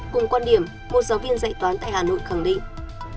cùng quan điểm một giáo viên dạy toán tại hà nội khẳng định